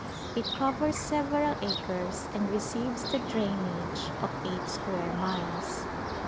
It covers several acres and re ceives the drainage of eight square miles.